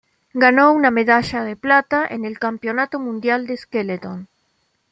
Ganó una medalla de plata en el Campeonato Mundial de Skeleton.